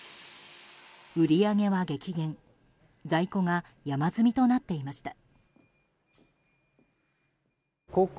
売り上げは激減在庫が山積みとなっていました。